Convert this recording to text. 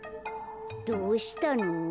どうしたの？